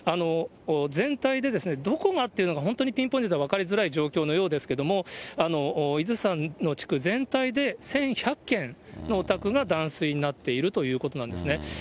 全体でどこがっていうのが、本当にピンポイントで分かりづらい状況のようですけれども、伊豆山の地区全体で１１００軒のお宅が断水になっているということなんですね。